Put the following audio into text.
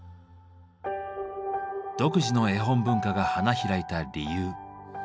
独自の絵本文化が花開いた理由。